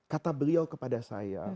kata beliau kepada saya